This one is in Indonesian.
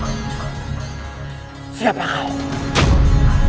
jangan sampai terlalu lama